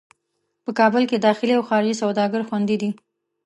په کابل کې داخلي او خارجي سوداګر خوندي دي.